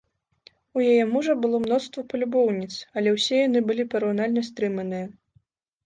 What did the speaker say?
У яе мужа было мноства палюбоўніц, але ўсе яны былі параўнальна стрыманыя.